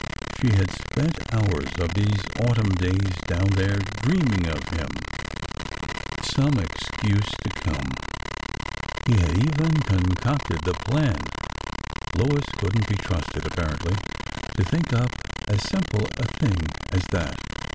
She had spent hours of these autumn days down there, dreaming of him. ...^' Some excuse to come.'' ... He had even concocted the plan— Lois could n't be trusted, apparently, to think up as simple a thing as that